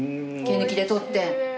毛抜きで取って。